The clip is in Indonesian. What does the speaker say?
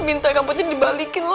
minta rambutnya dibalikin lah